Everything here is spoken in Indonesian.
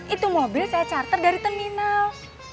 itu mobil saya charter dari terminal